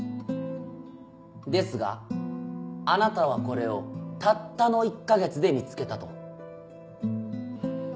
ですがあなたはこれをたったの１か月で見つけたと。